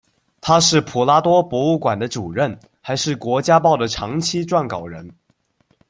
他是普拉多博物馆的主任，还是国家报的长期撰稿人。